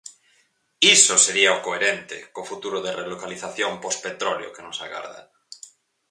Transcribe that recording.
Iso sería o coherente co futuro de relocalización pospetróleo que nos agarda.